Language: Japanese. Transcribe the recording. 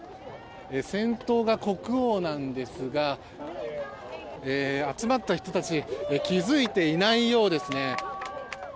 先頭が国王なんですが集まった人たち気づいていないようですね。